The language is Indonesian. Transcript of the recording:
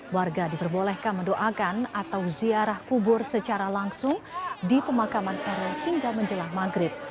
warga diperbolehkan mendoakan atau ziarah kubur secara langsung di pemakaman eril hingga menjelang maghrib